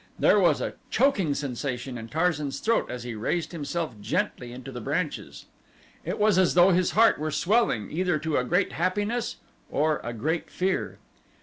There was a choking sensation in Tarzan's throat as he raised himself gently into the branches. It was as though his heart were swelling either to a great happiness or a great fear.